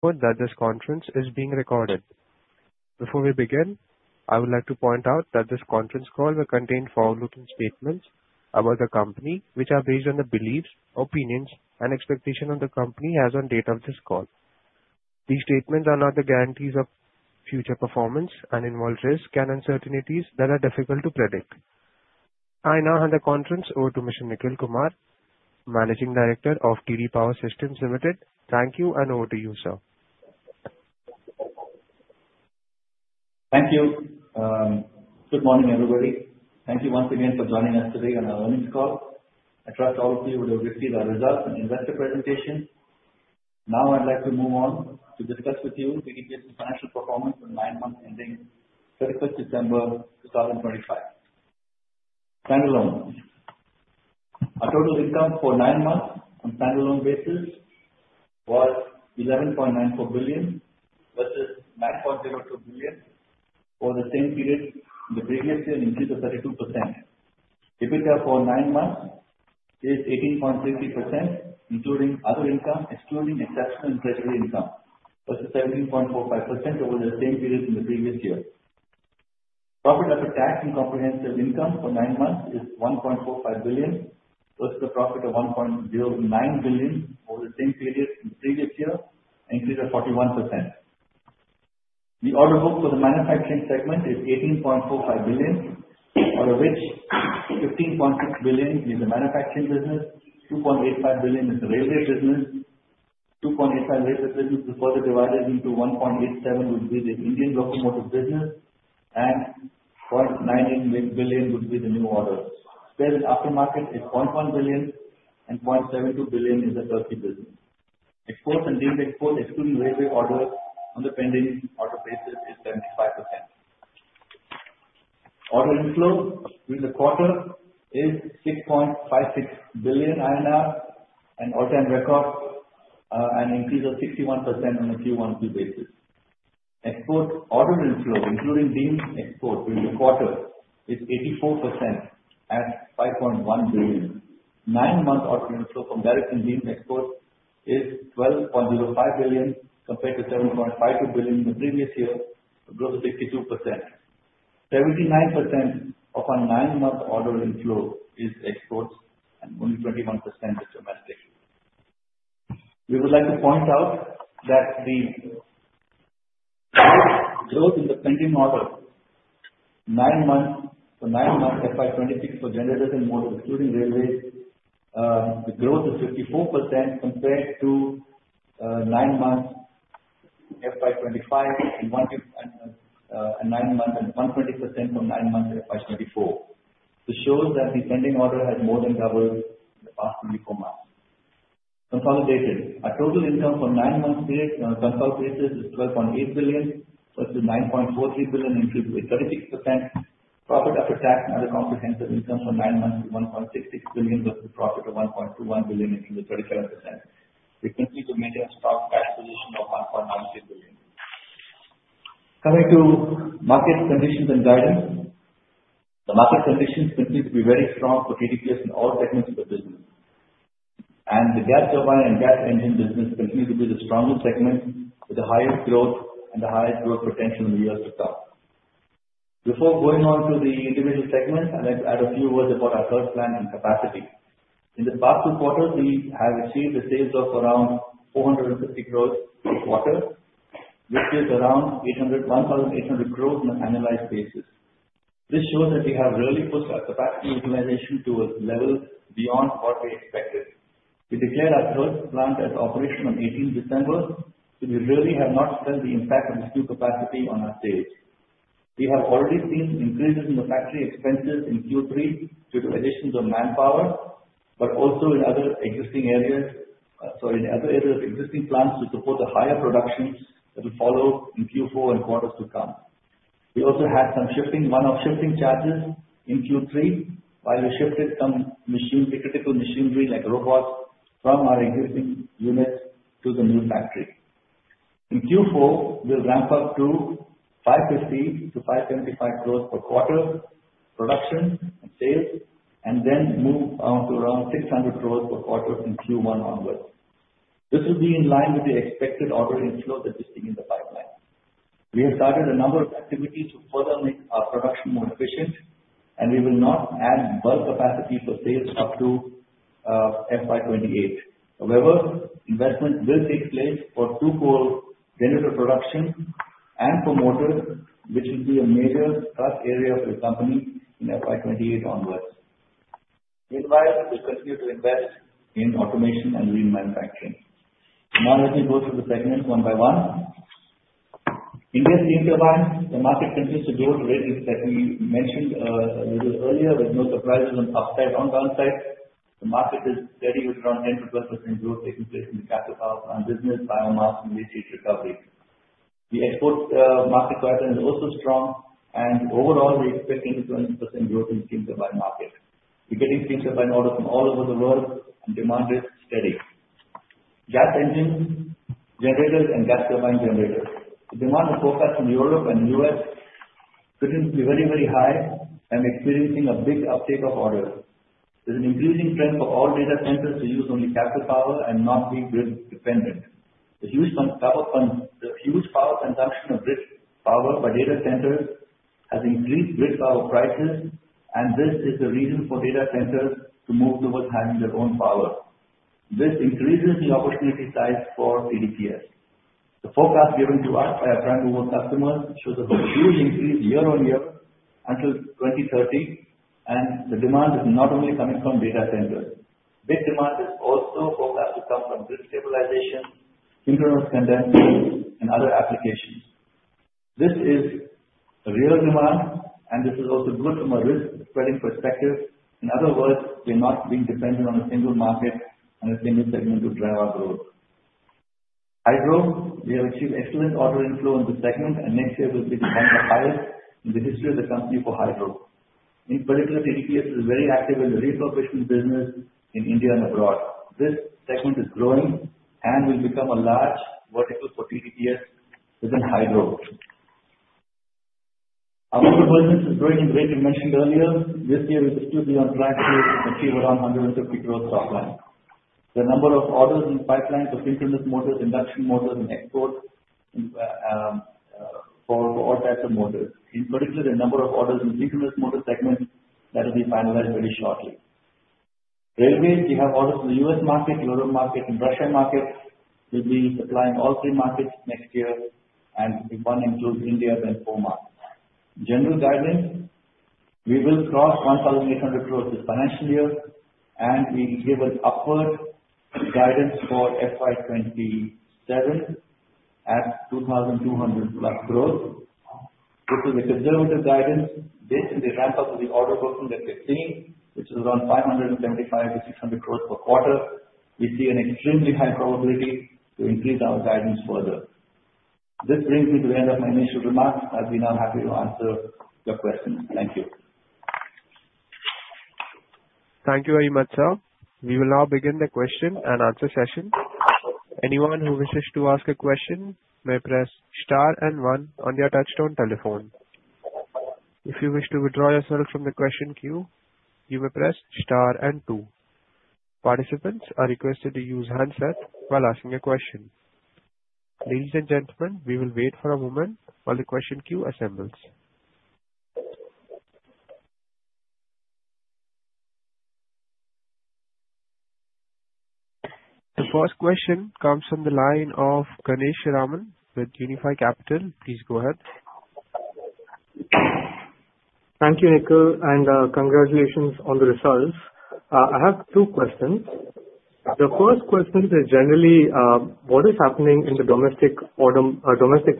This conference is being recorded. Before we begin, I would like to point out that this conference call will contain forward-looking statements about the company, which are based on the beliefs, opinions, and expectation of the company as on date of this call. These statements are not the guarantees of future performance and involve risks and uncertainties that are difficult to predict. I now hand the conference over to Mr. Nikhil Kumar, Managing Director of TD Power Systems Limited. Thank you, over to you, sir. Thank you. Good morning, everybody. Thank you once again for joining us today on our earnings call. I trust all of you would have received our results and investor presentation. I'd like to move on to discuss with you the financial performance for nine months ending 31st December, 2025. Standalone. Our total income for nine months on standalone basis was 11.94 billion versus 9.02 billion over the same period in the previous year, an increase of 32%. EBITDA for nine months is 18.60%, including other income, excluding exceptional treasury income, versus 17.45% over the same period in the previous year. Profit after tax and comprehensive income for nine months is 1.45 billion, versus the profit of 1.09 billion over the same period in the previous year, an increase of 41%. The order book for the manufacturing segment is 18.45 billion, out of which 15.6 billion is the manufacturing business, 2.85 billion is the railway business. 2.85 billion railway business is further divided into 1.87 billion, which is the Indian locomotive business, 0.98 billion would be the new orders. Sales aftermarket is 0.1 billion, 0.72 billion is the turnkey business. Exports and deemed exports excluding railway orders on the pending order basis is 75%. Order inflow during the quarter is 6.56 billion INR, an all-time record, an increase of 61% on a Q1 to date basis. Export order inflow, including deemed export during the quarter, is 84% at INR 5.1 billion. Nine months order inflow from direct and deemed exports is 12.05 billion compared to 7.52 billion in the previous year, a growth of 52%. 79% of our nine-month order inflow is exports and only 21% is domestic. We would like to point out that the growth in the pending order for nine months at FY 2026 for generators and motors excluding railways, the growth is 54% compared to nine months FY 2025 and 1.2% from nine months FY 2024. This shows that the pending order has more than doubled in the past 24 months. Consolidated. Our total income for 9 months period on a consolidated is 12.8 billion versus 9.43 billion, increased by 36%. Profit after tax and other comprehensive income for 9 months is 1.66 billion versus profit of 1.21 billion, increased to 37%. We continue to maintain a strong cash position of 1.96 billion. Coming to market conditions and guidance. The market conditions continue to be very strong for TDPS in all segments of the business. The gas turbine and gas engine business continues to be the strongest segment with the highest growth and the highest growth potential in the years to come. Before going on to the individual segments, I'd like to add a few words about our third plant and capacity. In the past two quarters, we have achieved the sales of around 450 crores per quarter, which is around 1,800 crores on an annualized basis. This shows that we have really pushed our capacity utilization towards levels beyond what we expected. We declared our third plant as operational on 18th December, so we really have not felt the impact of this new capacity on our sales. We have already seen increases in the factory expenses in Q3 due to additions of manpower, but also in other areas of existing plants to support the higher productions that will follow in Q4 and quarters to come. We also had some one-off shifting charges in Q3 while we shifted some critical machinery like robots from our existing units to the new factory. In Q4, we'll ramp up to 550-575 crores per quarter production and sales, and then move on to around 600 crores per quarter in Q1 onwards. This will be in line with the expected order inflow that is sitting in the pipeline. We have started a number of activities to further make our production more efficient, and we will not add bulk capacity for sales up to FY 2028. However, investment will take place for 2-pole generator production and for motors, which will be a major growth area for the company in FY 2028 onwards. Meanwhile, we continue to invest in automation and lean manufacturing. Now let me go through the segments one by one. Indian steam turbines, the market continues to grow at the rate that we mentioned a little earlier, with no surprises on upside or downside. The market is steady with around 10% growth taking place in the captive power plant business, biomass, and waste heat recovery. The export market pattern is also strong, and overall, we're expecting a 20% growth in steam turbine market. We're getting steam turbine orders from all over the world, and demand is steady. Gas engines, generators, and gas turbine generators. The demand is focused in Europe and U.S. Seem to be very, very high and experiencing a big uptake of orders. There's an increasing trend for all data centers to use only captive power and not be grid dependent. The huge power consumption of grid power by data centers has increased grid power prices, and this is the reason for data centers to move towards having their own power. This increases the opportunity size for TDPS. The forecast given to us by a brand new world customer shows a huge increase year-on-year until 2030, and the demand is not only coming from data centers. This demand is also forecast to come from grid stabilization, internal condensing and other applications. This is a real demand and this is also good from a risk spreading perspective. In other words, we are not being dependent on a single market and a single segment to drive our growth. Hydro, we have achieved excellent order inflow in the segment, and next year will be the highest in the history of the company for hydro. In particular, TDPS is very active in the refurbishment business in India and abroad. This segment is growing and will become a large vertical for TDPS within hydro. Our motor business is growing in great dimension earlier this year. We should be on track to achieve around 150 crore top line. The number of orders in the pipeline for synchronous motors, induction motors, and export for all types of motors, in particular, the number of orders in synchronous motor segments that will be finalized very shortly. Railways, we have orders in the U.S. market, Europe market, and Russia market. We will be supplying all three markets next year and if one includes India, then four markets. General guidance, we will cross 1,800 crore this financial year, and we give an upward guidance for FY 2027 at 2,200 crore plus growth, which is a conservative guidance based on the ramp-up of the order booking that we are seeing, which is around 575 crore to 600 crore per quarter. We see an extremely high probability to increase our guidance further. This brings me to the end of my initial remarks. I will be now happy to answer your questions. Thank you. Thank you very much, sir. We will now begin the question and answer session. Anyone who wishes to ask a question may press star and one on your touchtone telephone. If you wish to withdraw yourself from the question queue, you may press star and two. Participants are requested to use handsets while asking a question. Ladies and gentlemen, we will wait for a moment while the question queue assembles. The first question comes from the line of Ganesh Ram with Unifi Capital. Please go ahead. Thank you, Nikhil, and congratulations on the results. I have two questions. The first question is generally, what is happening in the domestic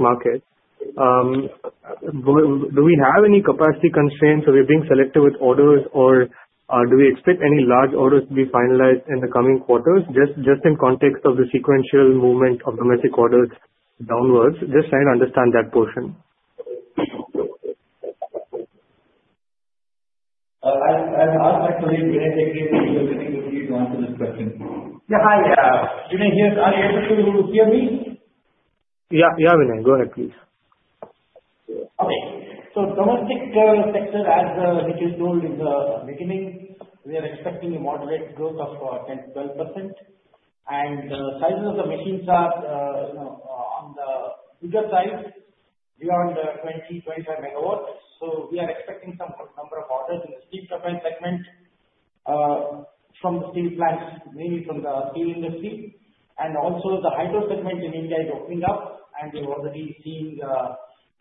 market? Do we have any capacity constraints? Are we being selective with orders or do we expect any large orders to be finalized in the coming quarters? Just in context of the sequential movement of domestic orders downwards. Just trying to understand that portion. I'll ask my colleague, Vinay Juge, who is attending with me to answer this question. Yeah, hi. Vinay here. Are you able to hear me? Yeah. Vinay, go ahead, please. Domestic sector, as Nikhil told in the beginning, we are expecting a moderate growth of 10%-12%. Sizes of the machines are on the bigger side, beyond 20 MW, 25 MW. We are expecting some number of orders in the steam turbine segment, from steam plants, mainly from the steel industry. Also the hydro segment in India is opening up, and we are already seeing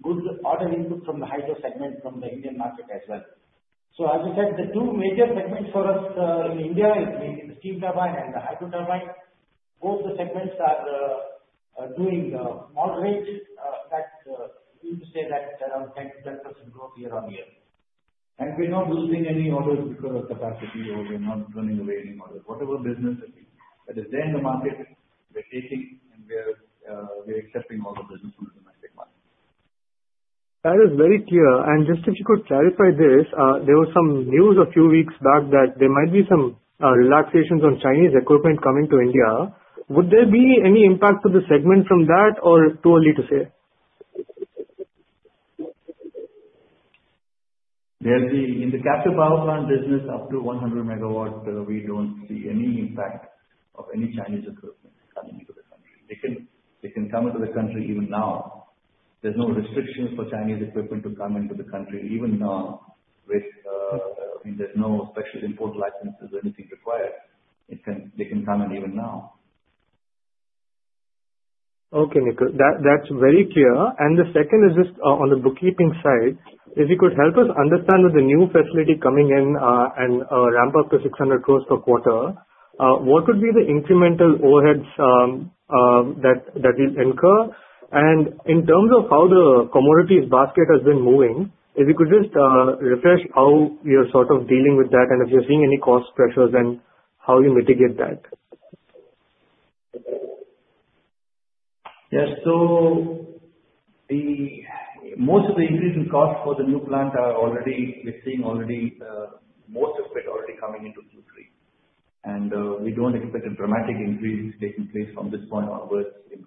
good order input from the hydro segment from the Indian market as well. As we said, the two major segments for us in India is mainly the steam turbine and the hydro turbine. Both the segments are doing moderate. We would say that around 10%-12% growth year-over-year. We are not losing any orders because of capacity or we are not turning away any orders. Whatever business that is there in the market, we are taking, and we are accepting all the business from the domestic market. That is very clear. Just if you could clarify this, there was some news a few weeks back that there might be some relaxations on Chinese equipment coming to India. Would there be any impact to the segment from that or it is too early to say? In the captive power plant business, up to 100 MW, we do not see any impact of any Chinese equipment coming into the country. They can come into the country even now. There are no restrictions for Chinese equipment to come into the country even now. There are no special import licenses or anything required. They can come in even now. Okay, Nikhil, that's very clear. The second is just on the bookkeeping side. If you could help us understand with the new facility coming in and a ramp-up to 600 crores per quarter, what would be the incremental overheads that it'll incur? In terms of how the commodities basket has been moving, if you could just refresh how we are sort of dealing with that and if you're seeing any cost pressures and how you mitigate that. Yes. Most of the increase in cost for the new plant we're seeing already, most of it already coming into Q3. We don't expect a dramatic increase taking place from this point onwards in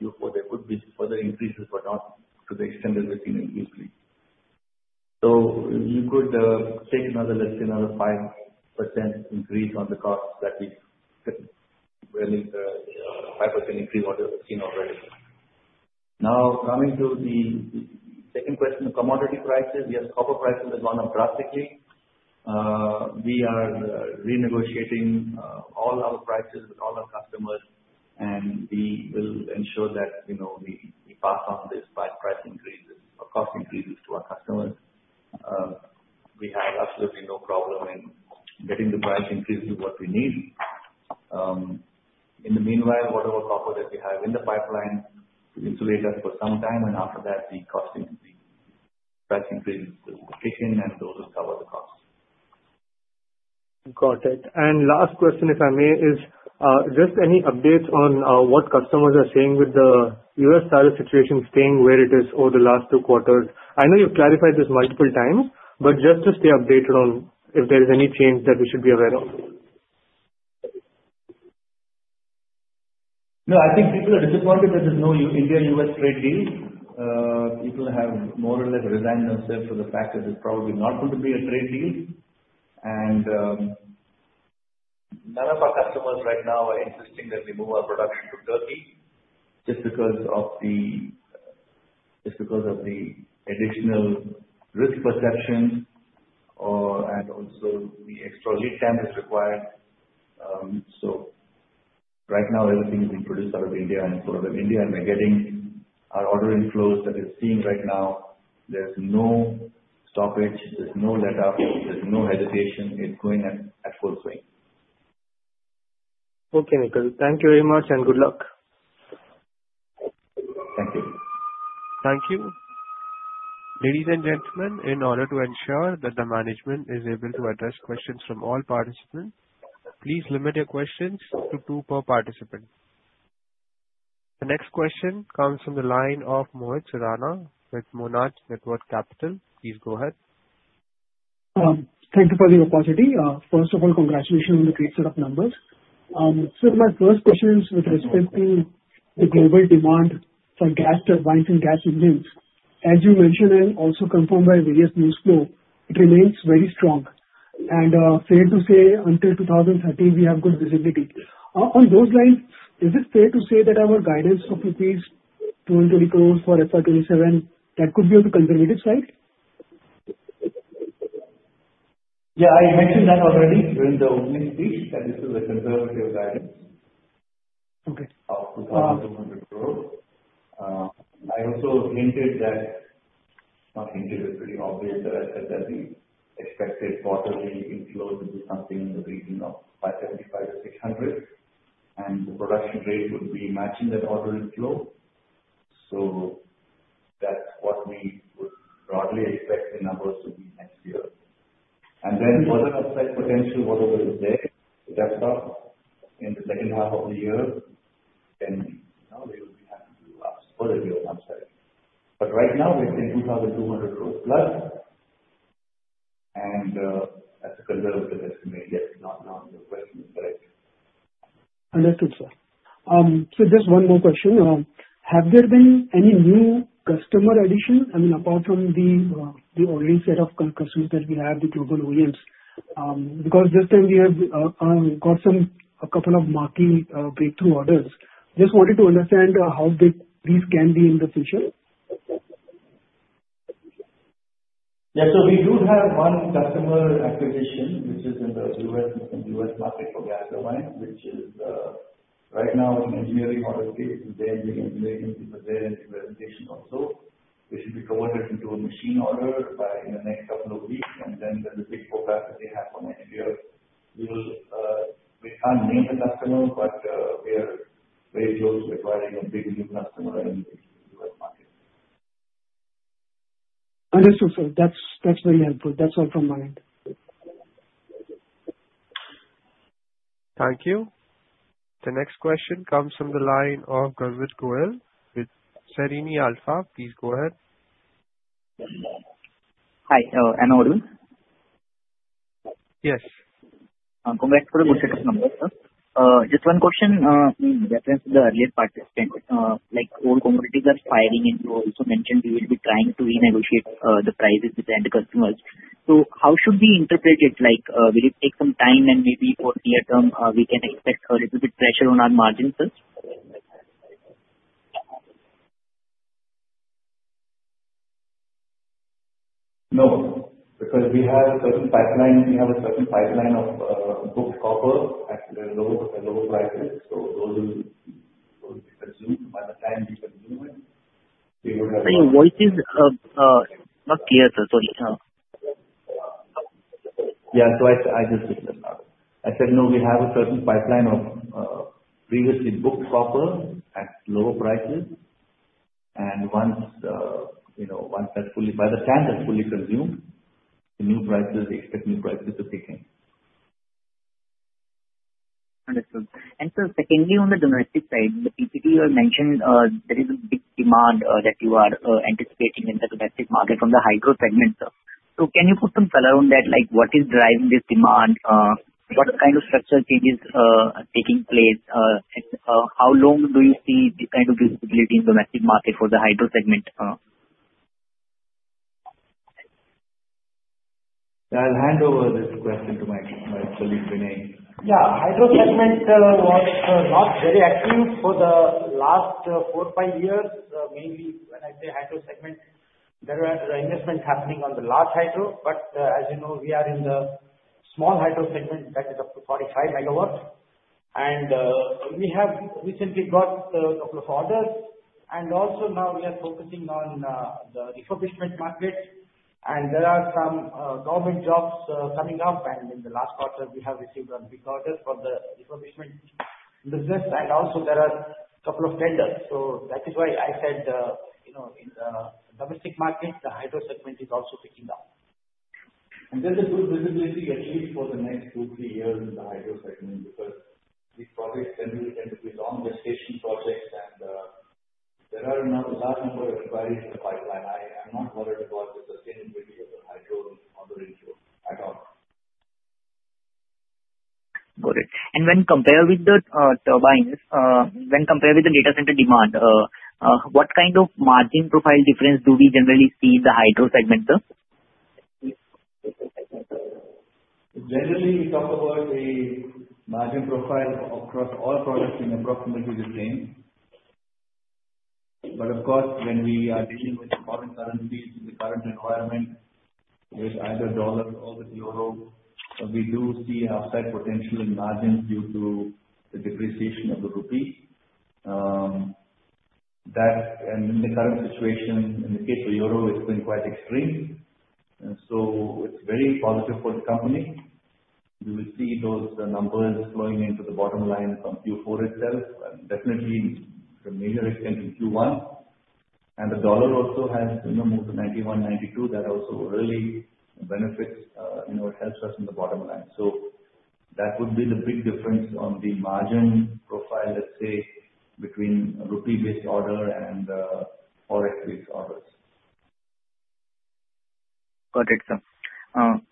Q4. There could be further increases, not to the extent that we've seen in Q3. You could take another 5% increase on the costs that we've taken, really the 5% increase what we've seen already. Coming to the second question, commodity prices. Copper prices have gone up drastically. We are renegotiating all our prices with all our customers, and we will ensure that we pass on this by price increases or cost increases to our customers. We have absolutely no problem in getting the price increases what we need. In the meanwhile, whatever copper that we have in the pipeline should insulate us for some time, after that the cost increase, price increases will kick in and those will cover the costs. Got it. Last question, if I may, is just any updates on what customers are saying with the U.S. tariff situation staying where it is over the last two quarters? I know you've clarified this multiple times, but just to stay updated on if there is any change that we should be aware of. No, I think people are disappointed that there's no India-U.S. trade deal. People have more or less resigned themselves to the fact that there's probably not going to be a trade deal. None of our customers right now are insisting that we move our production to Turkey just because of the additional risk perception or/and also the extra lead time that's required. Right now everything is being produced out of India and delivered out of India, and we're getting our order inflows that we're seeing right now. There's no stoppage, there's no letup, there's no hesitation. It's going at full swing. Okay, Nikhil. Thank you very much and good luck. Thank you. Thank you. Ladies and gentlemen, in order to ensure that the management is able to address questions from all participants, please limit your questions to two per participant. The next question comes from the line of Mohit Surana with Monarch Networth Capital. Please go ahead. Thank you for the opportunity. First of all, congratulations on the great set of numbers. My first question is with respect to the global demand for gas turbines and gas engines. As you mentioned and also confirmed by various news flow, it remains very strong and fair to say until 2030 we have good visibility. On those lines, is it fair to say that our guidance of rupees 220 crores for FY 27, that could be on the conservative side? I mentioned that already during the opening speech that this is a conservative guidance. Okay This is a guidance of 2,200 crores. I also hinted that, not hinted, it's pretty obvious that I said that we expected quarterly inflows into something in the region of 575 crores to 600 crores, and the production rate would be matching that order inflow. That's what we would broadly expect the numbers to be next year. Further upside potential, whatever is there, that's in the second half of the year, then we will be happy to ask for the real upside. Right now we're saying 2,200 crores plus, and that's a conservative estimate. Yes, your question is correct. Understood, sir. Just one more question. Have there been any new customer addition, I mean, apart from the already set of customers that we have, the global OEMs? This time we have got a couple of marquee breakthrough orders. Just wanted to understand how big these can be in the future. Yeah. We do have one customer acquisition, which is in the U.S. market for gas turbines. Which is right now in the engineering order phase. They're doing the engineering, we present presentation also, which will be converted into a machine order in the next couple of weeks, there's a big program that they have for next year. We can't name the customer, but we are very close to acquiring a big new customer in the U.S. market. Understood, sir. That's very helpful. That's all from my end. Thank you. The next question comes from the line of Gurjit Gorill with Serene Alpha. Please go ahead. Hi. Arun? Yes. Congrats for the good set of numbers, sir. Just one question in reference to the earlier participant. Like all commodities are firing, and you also mentioned you will be trying to renegotiate the prices with end customers. How should we interpret it? Like, will it take some time and maybe for near term, we can expect a little bit pressure on our margins, sir? No, because we have a certain pipeline of booked copper at lower prices. Those will be consumed. By the time we consume it, we will have. Sorry, what is not clear, sir. Sorry. Yeah. I just said that. I said, no, we have a certain pipeline of previously booked copper at lower prices. By the time that's fully consumed, we expect new prices to kick in. Understood. Sir, secondly, on the domestic side, the EPT you have mentioned, there is a big demand that you are anticipating in the domestic market from the hydro segment, sir. Can you put some color on that, like what is driving this demand? What kind of structural changes are taking place? How long do you see this kind of visibility in the market for the hydro segment? I'll hand over this question to my colleague, Vinay. Hydro segment was not very active for the last four or five years. Mainly when I say hydro segment, there were investments happening on the large hydro. As you know, we are in the small hydro segment that is up to 45 MW. We have recently got a couple of orders. Also now we are focusing on the refurbishment market, and there are some government jobs coming up. In the last quarter, we have received one big order for the refurbishment business, and also there are a couple of tenders. That is why I said in the domestic market, the hydro segment is also picking up. There's a good visibility at least for the next two, three years in the hydro segment because these projects can be long gestation projects, and there are now a large number of inquiries in the pipeline. I am not worried about the sustainability of the hydro order inflow at all. Got it. When compared with the turbines, when compared with the data center demand, what kind of margin profile difference do we generally see in the hydro segment? Generally, we talk about a margin profile across all products being approximately the same. But of course, when we are dealing with foreign currencies in the current environment, with either dollar or with euro, we do see upside potential in margins due to the depreciation of the rupee. In the current situation, in the case of euro, it's been quite extreme. It's very positive for the company. We will see those numbers flowing into the bottom line from Q4 itself, and definitely the major extent in Q1. The dollar also has moved to 91, 92. That also really benefits, helps us in the bottom line. That would be the big difference on the margin profile, let's say, between rupee-based order and Forex-based orders. Got it, sir.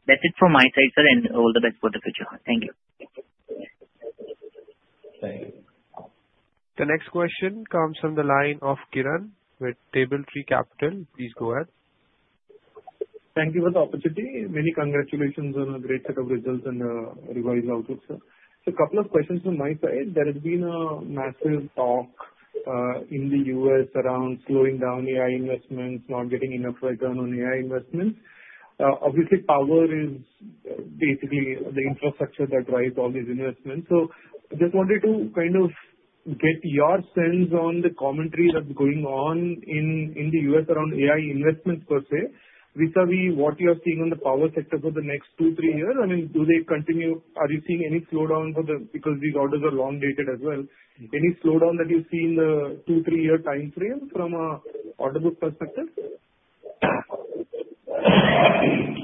That's it from my side, sir, and all the best for the future. Thank you. Thank you. The next question comes from the line of Kiran with Table Tree Capital. Please go ahead. Thank you for the opportunity. Many congratulations on a great set of results and revised outlook, sir. A couple of questions from my side. There has been a massive talk in the U.S. around slowing down AI investments, not getting enough return on AI investments. Obviously, power is basically the infrastructure that drives all these investments. Just wanted to kind of get your sense on the commentary that's going on in the U.S. around AI investments per se, vis-à-vis what you are seeing on the power sector for the next two, three years. I mean, do they continue? Are you seeing any slowdown because these orders are long-dated as well. Any slowdown that you see in the two, three-year time frame from an order book perspective?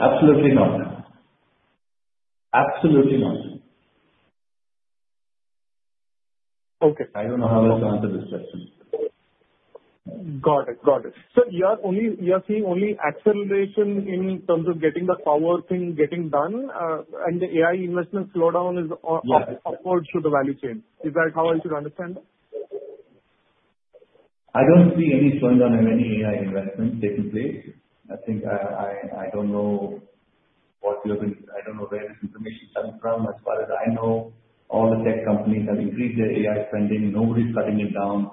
Absolutely not. Absolutely not. Okay. I don't know how else to answer this question. Got it. Got it. You are seeing only acceleration in terms of getting the power thing getting done, and the AI investment slowdown. Yes upwards through the value chain. Is that how I should understand? I don't see any slowdown in any AI investments taking place. I don't know where this information is coming from. As far as I know, all the tech companies have increased their AI spending. Nobody's cutting it down.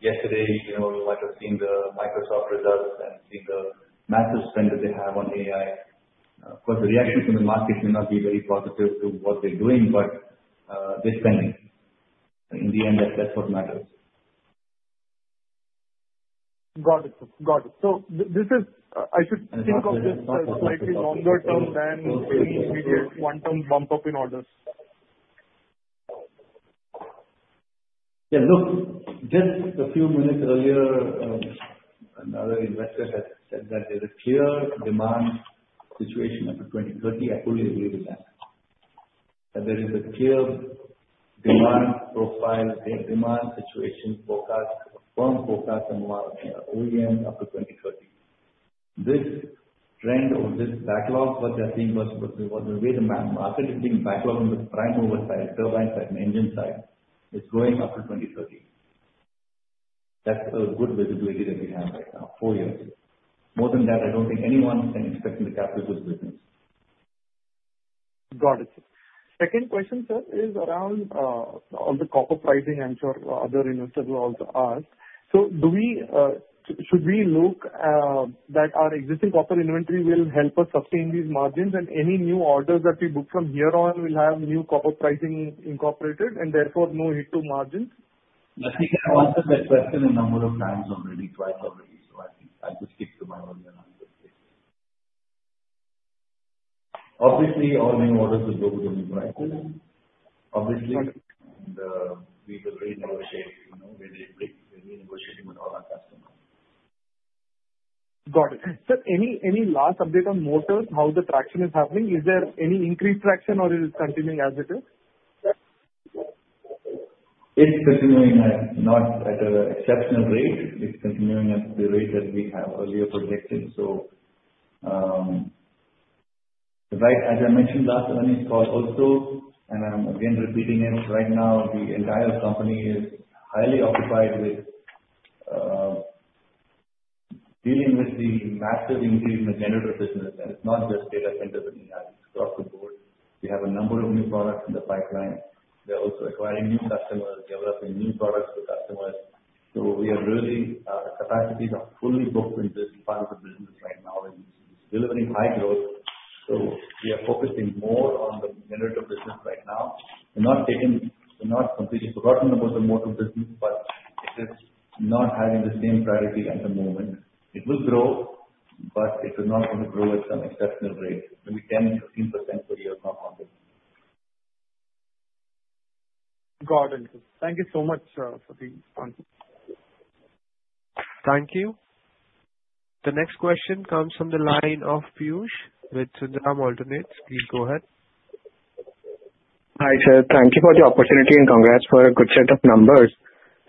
Yesterday, you might have seen the Microsoft results and seen the massive spend that they have on AI. Of course, the reaction from the market may not be very positive to what they're doing, but they're spending. In the end, that's what matters. Got it. This is, I should think of this as slightly longer term than any immediate quantum bump up in orders. Yeah, look, just a few minutes earlier, another investor had said that there's a clear demand situation after 2030. I fully agree with that. There is a clear demand profile, a demand situation forecast, a firm forecast from our OEM up to 2030. This trend or this backlog what they're seeing, what the way the market is seeing backlog on the prime mover side, turbine side and engine side is growing up to 2030. That's a good visibility that we have right now, four years. More than that, I don't think anyone can expect in the capital goods business. Got it, sir. Second question, sir, is around on the copper pricing. I'm sure other investors will also ask. Should we look that our existing copper inventory will help us sustain these margins and any new orders that we book from here on will have new copper pricing incorporated and therefore no hit to margins? I think I've answered that question a number of times already, twice already. I think I will stick to my earlier answer. Obviously, all new orders will go to the new prices. Got it We will renegotiate. We are renegotiating with all our customers. Got it. Sir, any last update on motors, how the traction is happening? Is there any increased traction or it is continuing as it is? It is continuing not at an exceptional rate. It is continuing at the rate that we have earlier projected. As I mentioned last earnings call also, and I am again repeating it right now, the entire company is highly occupied with dealing with the massive increase in the generator business. It is not just data center business, it is across the board. We have a number of new products in the pipeline. We are also acquiring new customers, developing new products for customers. Capacities are fully booked in this part of the business right now, and it is delivering high growth. We are focusing more on the generator business right now. We have not completely forgotten about the motor business, but it is not having the same priority at the moment. It will grow, but it is not going to grow at some exceptional rate. Maybe 10%-15% per year from now on. Got it. Thank you so much, sir, for the answer. Thank you. The next question comes from the line of Piyush with Sundaram Alternates. Please go ahead. Hi, sir. Thank you for the opportunity and congrats for a good set of numbers.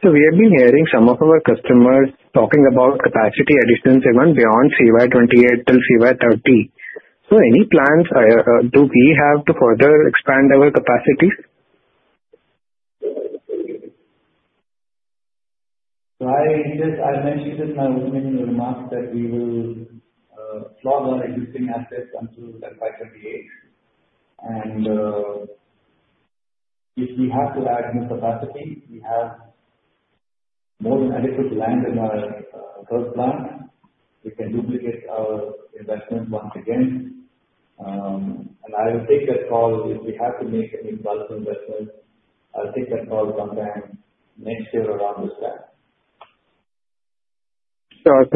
We have been hearing some of our customers talking about capacity additions even beyond FY28 till FY30. Any plans do we have to further expand our capacities? I mentioned this in my opening remarks that we will flog our existing assets until FY28 and if we have to add new capacity, we have more than adequate land in our current plant. We can duplicate our investments once again. I will take that call if we have to make any bulk investment. I'll take that call sometime next year around this time. Sure, sir. Thank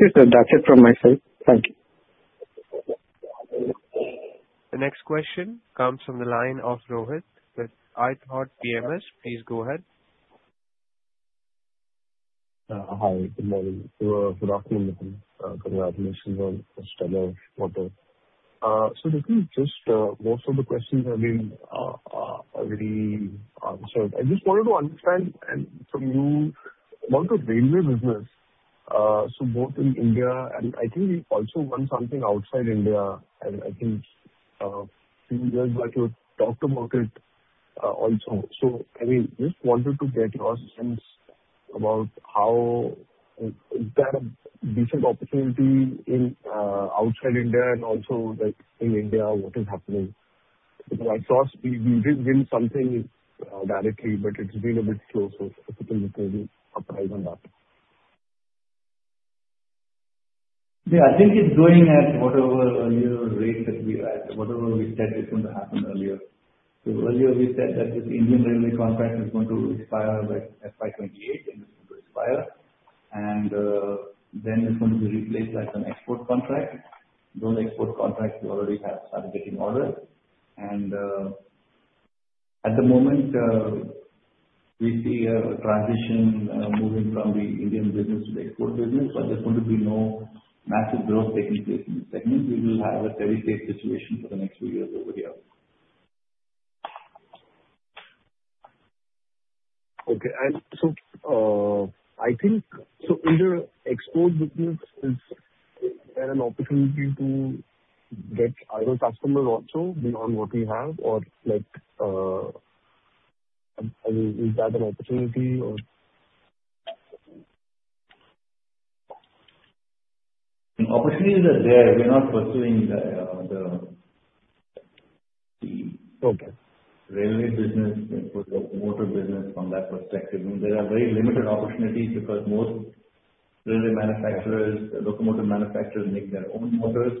you, sir. That's it from my side. Thank you. The next question comes from the line of Rohit with iThought PMS. Please go ahead. Hi, good morning. Good afternoon, Nikhil. Congratulations on the stellar quarter. Just most of the questions have been already answered. I just wanted to understand from you about the railway business. Both in India and I think we also won something outside India and I think a few years back you had talked about it also. I just wanted to get your sense about how, is that a decent opportunity outside India and also in India, what is happening? Because I saw you did win something directly, but it's been a bit slow. If you can just give an update on that. I think it's going at whatever rate that we said it's going to happen earlier. Earlier we said that this Indian railway contract is going to expire by FY 2028, and it's going to expire. Then it's going to be replaced by some export contract. Those export contracts we already have started getting orders. At the moment, we see a transition moving from the Indian business to the export business, but there's going to be no massive growth taking place in this segment. We will have a steady state situation for the next few years over here. Okay. In the export business, is there an opportunity to get other customers also beyond what we have? Opportunities are there. We're not pursuing. Okay railway business, locomotive business from that perspective. There are very limited opportunities because most railway manufacturers, locomotive manufacturers make their own motors.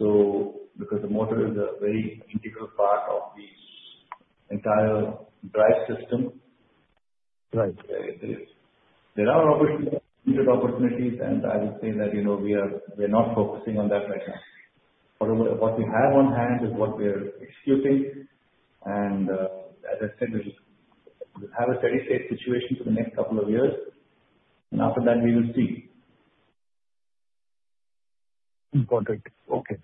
Because the motor is a very integral part of the entire drive system. Right. There are limited opportunities. I would say that we're not focusing on that right now. What we have on hand is what we're executing. As I said, we have a steady state situation for the next couple of years. After that, we will see. Got it. Okay.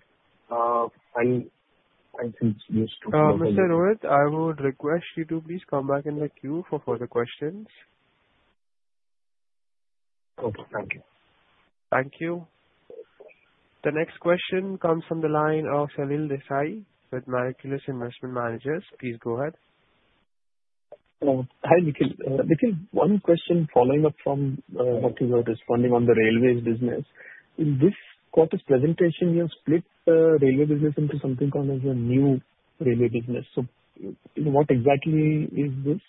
I think this. Mr. Rohit, I would request you to please come back in the queue for further questions. Okay. Thank you. Thank you. The next question comes from the line of Salil Desai with Marcellus Investment Managers. Please go ahead. Hi, Nikhil. Nikhil, one question following up from what you were responding on the railways business. In this quarter's presentation, you have split the railway business into something called as a new railway business. What exactly is this?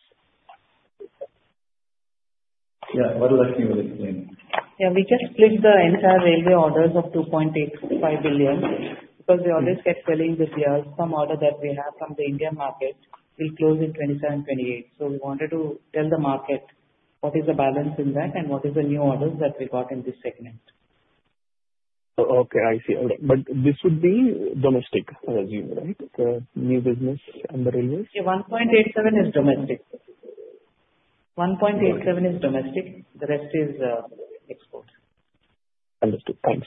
Vadrakhsi will explain. We just split the entire railway orders of 2.85 billion because we always kept telling this year some order that we have from the Indian market will close in 2027, 2028. We wanted to tell the market what is the balance in that and what is the new orders that we got in this segment. This would be domestic, I assume, right? The new business and the railways. 1.87 is domestic. 1.87 is domestic. The rest is export. Understood. Thanks.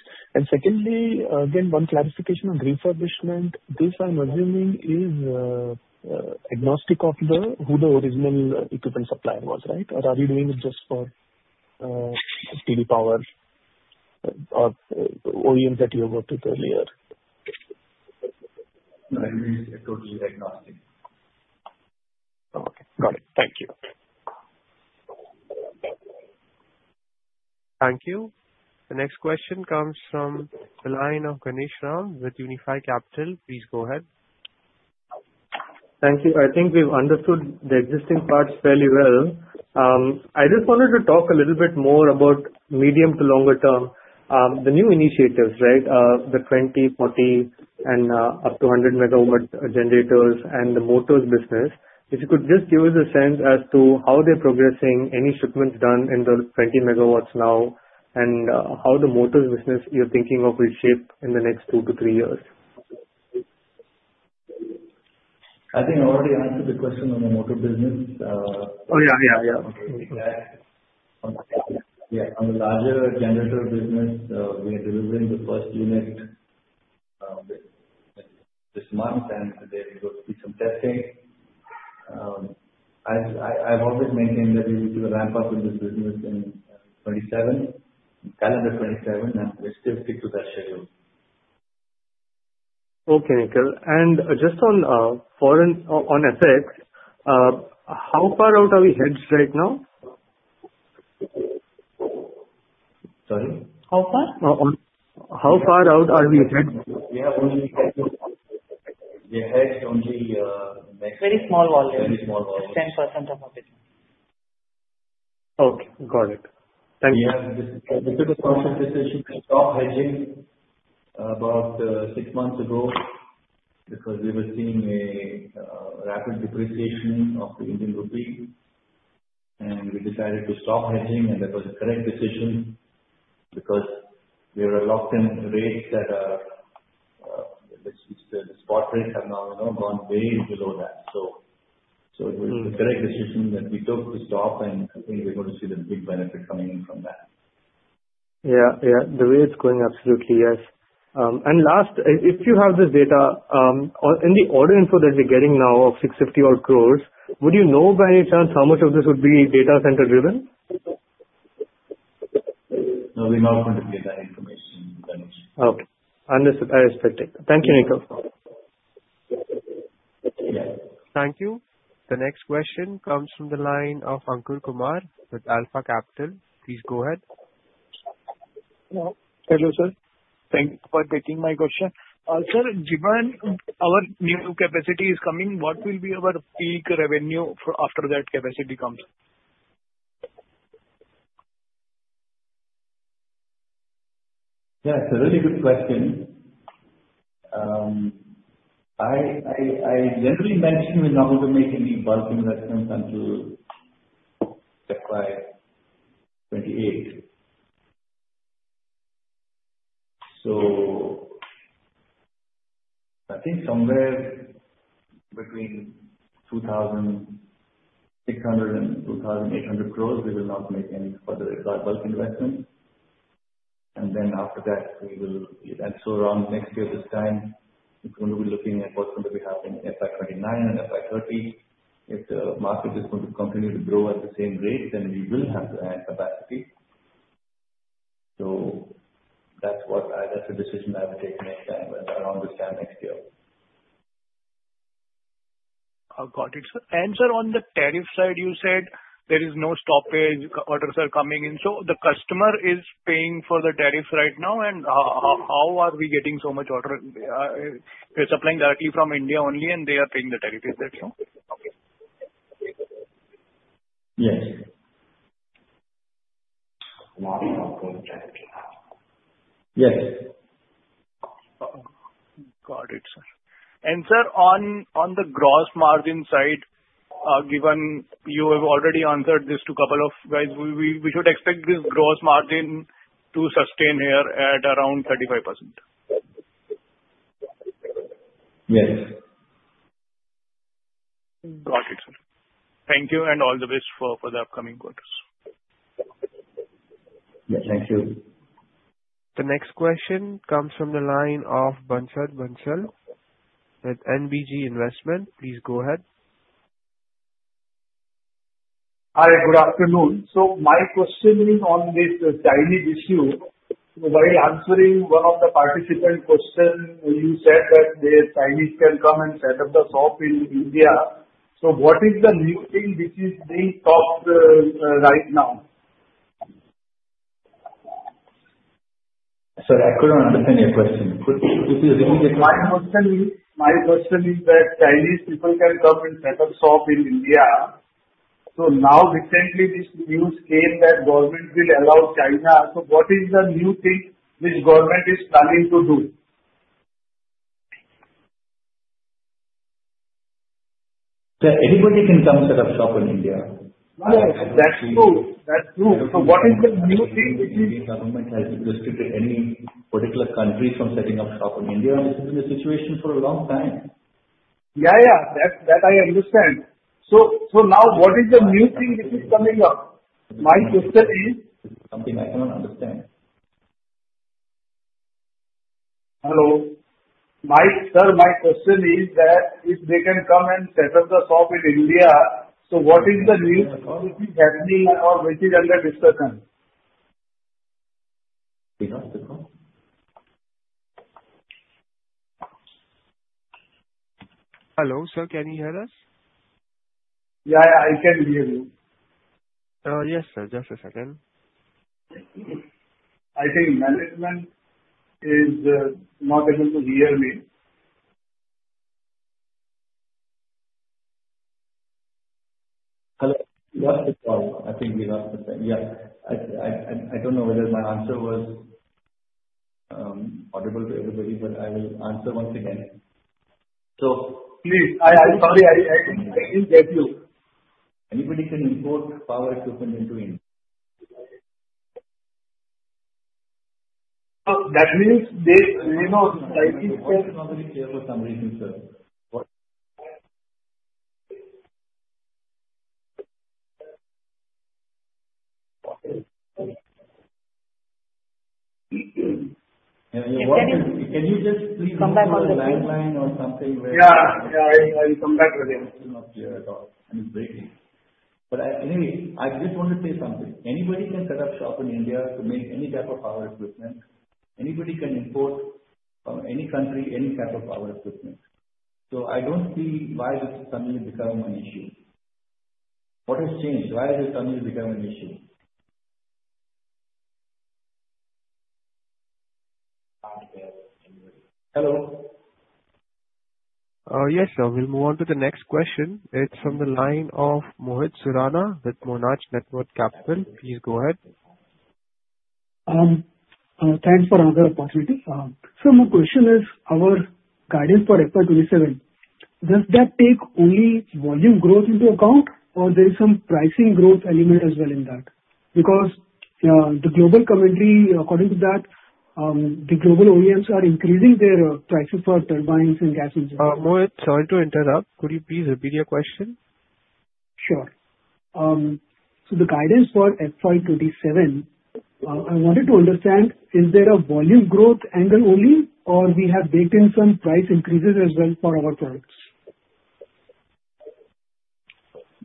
Secondly, again, one clarification on refurbishment. This I'm assuming is agnostic of who the original equipment supplier was, right? Or are you doing it just for TD Power or OEMs that you worked with earlier? No, it is totally agnostic. Okay, got it. Thank you. Thank you. The next question comes from the line of Ganesh Ram with Unifi Capital. Please go ahead. Thank you. I think we've understood the existing parts fairly well. I just wanted to talk a little bit more about medium to longer term, the new initiatives. The 20, 40, and up to 100 MW generators and the motors business. If you could just give us a sense as to how they're progressing, any shipments done in the 20 MW now, and how the motors business you're thinking of will shape in the next two to three years. I think I already answered the question on the motor business. Oh, yeah. Okay. Yeah. On the larger generator business, we are delivering the first unit this month and they will go through some testing. I've always maintained that we need to ramp up with this business in calendar 2027, and we still stick to that schedule. Okay, Nikhil. Just on FX, how far out are we hedged right now? Sorry? How far? How far out are we hedged? We hedge only Very small volumes. Very small volumes. 10% of our business. Okay, got it. Thank you. We took a conscious decision to stop hedging about six months ago because we were seeing a rapid depreciation of the Indian rupee, and we decided to stop hedging, and that was a correct decision because we were locked in rates that are The spot rates have now gone way below that. It was the correct decision that we took to stop, and I think we're going to see the big benefit coming in from that. Yeah. The rate's going, absolutely yes. Last, if you have the data, in the order info that you're getting now of 650 odd crores, would you know by any chance how much of this would be data center driven? No, we're not going to get that information, Ganesh. Okay. Understood. That is fair. Thank you, Nikhil. Yeah. Thank you. The next question comes from the line of Ankur Kumar with Alpha Capital. Please go ahead. Hello, sir. Thank you for getting my question. Sir, given our new capacity is coming, what will be our peak revenue after that capacity comes? Yeah, it's a really good question. I generally mention we're not going to make any bulk investments until FY 2028. I think somewhere between 2,600 crore-2,800 crore, we will not make any further bulk investment. After that, around next year this time, we're going to be looking at what's going to be happening FY 2029 and FY 2030. If the market is going to continue to grow at the same rate, we will have to add capacity. That's a decision I will take next time, around this time next year. I've got it, sir. Sir, on the tariff side, you said there is no stoppage, orders are coming in. The customer is paying for the tariff right now, and how are we getting so much order? We're supplying directly from India only, and they are paying the tariff, is that so? Yes. Not from current tariff. Yes. Got it, sir. Sir, on the gross margin side, given you have already answered this to a couple of guys, we should expect this gross margin to sustain here at around 35%? Yes. Got it, sir. Thank you. All the best for the upcoming quarters. Yeah, thank you. The next question comes from the line of Nitin Bansal with NBG Investment. Please go ahead. Hi, good afternoon. My question is on this Chinese issue. While answering one of the participant question, you said that the Chinese can come and set up the shop in India. What is the new thing which is being talked right now? Sir, I couldn't understand your question. Could you repeat it? My question is that Chinese people can come and set up shop in India. Now recently this news came that government will allow China. What is the new thing which government is planning to do? Sir, anybody can come set up shop in India. Yes. That's true. What is the new thing? The Indian government has restricted any particular country from setting up shop in India, and this has been the situation for a long time. Yeah, that I understand. Now what is the new thing which is coming up? My question. Something I cannot understand. Hello. Sir, my question is that if they can come and set up the shop in India, what is the new policy happening or which is under discussion? We lost the call. Hello, sir. Can you hear us? Yeah, I can hear you. Yes, sir. Just a second. I think management is not able to hear me. Hello. We lost the call. I think we lost the call. Yeah. I don't know whether my answer was audible to everybody, but I will answer once again. Please. Sorry, I didn't get you. Anybody can import power equipment into India. That means they may not try to import. The voice is not very clear for some reason, sir. Can you just please come to a landline or something where. Yeah, I will come back with it. Still not clear at all. It's breaking. Anyway, I just want to say something. Anybody can set up shop in India to make any type of power equipment. Anybody can import from any country, any type of power equipment. I don't see why this has suddenly become an issue. What has changed? Why has this suddenly become an issue? Hello. Yes, sir. We'll move on to the next question. It's from the line of Mohit Surana with Monarch Networth Capital. Please go ahead. Thanks for another opportunity. Sir, my question is our guidance for FY 2027, does that take only volume growth into account, or there is some pricing growth element as well in that? Because the global commentary, according to that, the global OEMs are increasing their pricing for turbines and gas engines. Mohit, sorry to interrupt. Could you please repeat your question? Sure. The guidance for FY 2027, I wanted to understand, is there a volume growth angle only, or we have baked in some price increases as well for our products?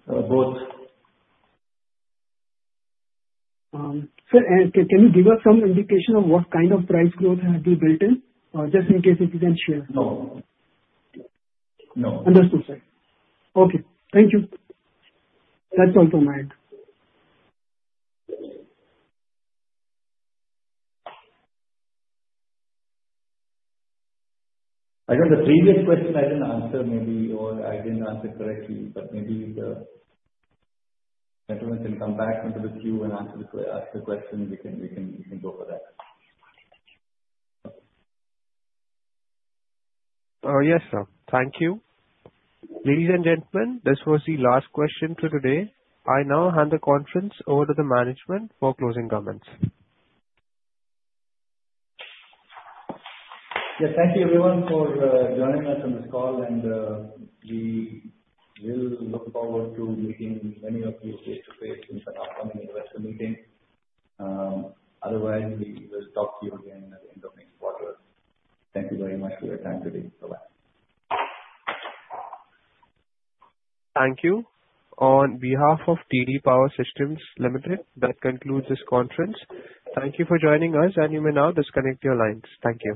Both. Sir, can you give us some indication of what kind of price growth has been built in, just in case if you can share? No. Understood, sir. Okay. Thank you. That's all from my end. I know the previous question I didn't answer maybe, or I didn't answer correctly, but maybe the gentleman can come back into the queue and ask the question. We can go for that. Yes, sir. Thank you. Ladies and gentlemen, this was the last question for today. I now hand the conference over to the management for closing comments. Yes, thank you everyone for joining us on this call, and we will look forward to meeting many of you face-to-face in our upcoming investor meeting. Otherwise, we will talk to you again at the end of next quarter. Thank you very much for your time today. Bye-bye. Thank you. On behalf of TD Power Systems Limited, that concludes this conference. Thank you for joining us, and you may now disconnect your lines. Thank you.